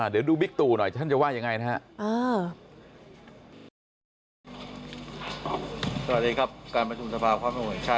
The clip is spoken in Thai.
เดี๋ยวดูบิ๊กตูหน่อยฉันจะว่าอย่างไรนะฮะ